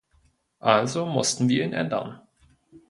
Also mussten wir ihn ändern.